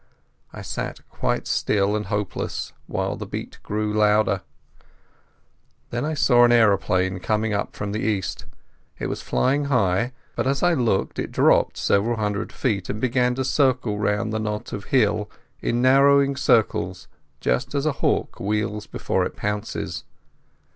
I sat quite still and hopeless while the beat grew louder. Then I saw an aeroplane coming up from the east. It was flying high, but as I looked it dropped several hundred feet and began to circle round the knot of hill in narrowing circles, just as a hawk wheels before it pounces.